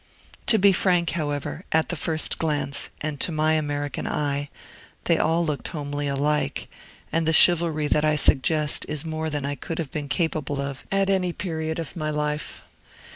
To be frank, however, at the first glance, and to my American eye, they looked all homely alike, and the chivalry that I suggest is more than I could have been capable of, at any period of my life.